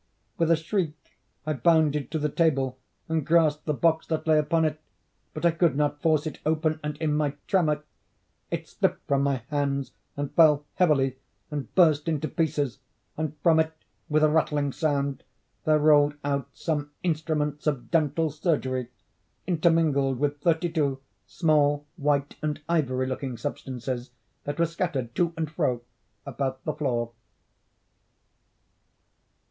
With a shriek I bounded to the table, and grasped the box that lay upon it. But I could not force it open; and in my tremor, it slipped from my hands, and fell heavily, and burst into pieces; and from it, with a rattling sound, there rolled out some instruments of dental surgery, intermingled with thirty two small, white and ivory looking substances that were scattered to and fro about the floor.